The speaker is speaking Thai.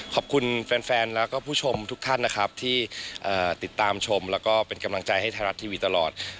ขอบคุณแฟนแล้วก็ผู้ชมทุกท่านนะครับที่ติดตามชมแล้วก็เป็นกำลังใจให้ไทยรัฐทีวีตลอด